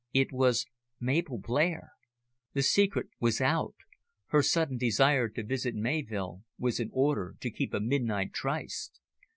It was Mabel Blair. The secret was out. Her sudden desire to visit Mayvill was in order to keep a midnight tryst.